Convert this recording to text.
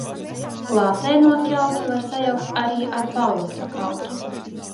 Lāsaino ķauķi var sajaukt arī ar Pallasa ķauķi.